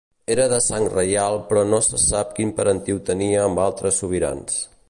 Era de sang reial però no se sap quin parentiu tenia amb altres sobirans.